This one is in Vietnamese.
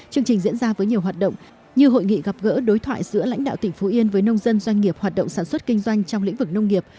chương trình diễn ra với nhiều hoạt động như hội nghị gặp gỡ đối thoại giữa lãnh đạo tỉnh phú yên với nông dân doanh nghiệp hoạt động sản xuất kinh doanh trong lĩnh vực nông nghiệp